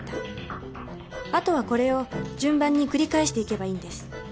あとはこれを順番に繰り返していけばいいんです。